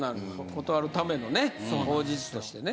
断るためのね口実としてね。